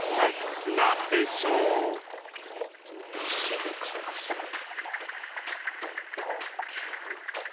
「石に隠された」？「十五」？